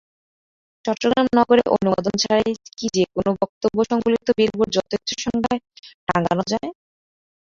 চট্টগ্রাম নগরে অনুমোদন ছাড়াই কি যেকোনো বক্তব্যসংবলিত বিলবোর্ড যথেচ্ছ সংখ্যায় টাঙানো যায়?